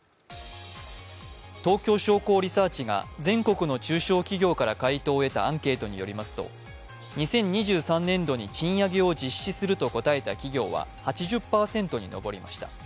東京商工リサーチが全国の中小企業から回答を得たアンケートによりますと、２０２３年度に賃上げを実施すると答えた企業は８０％に上りました。